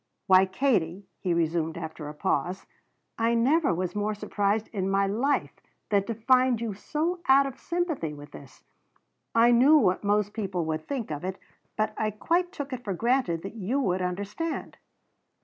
"Why, Katie," he resumed after a pause, "I never was more surprised in my life than to find you so out of sympathy with this. I knew what most people would think of it, but I quite took it for granted that you would understand."